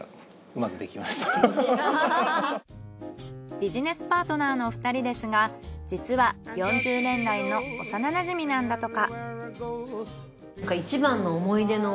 ビジネスパートナーのお二人ですが実は４０年来の幼馴染なんだとか。